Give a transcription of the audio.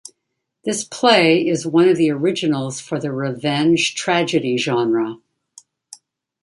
This play is one of the originals for the revenge tragedy genre.